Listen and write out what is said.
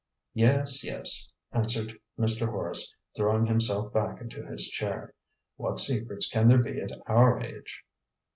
"Yes, yes," answered Mr. Horace, throwing himself back into his chair; "what secrets can there be at our age?"